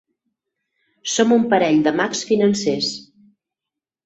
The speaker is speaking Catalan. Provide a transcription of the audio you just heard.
Som un parell de mags financers.